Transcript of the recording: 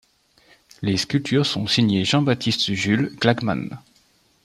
Les sculptures sont signées Jean-Baptiste-Jules Klagmann.